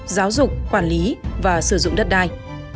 giáo dục quản lý và sử dụng đất đai